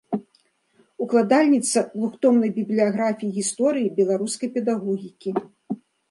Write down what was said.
Укладальніца двухтомнай бібліяграфіі гісторыі беларускай педагогікі.